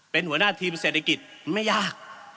เป็นหัวหน้าทีมเศรษฐกิจไม่ยาก